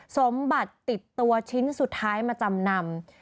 สมบัติติดตัวชิ้นสุดท้ายมาจำนำ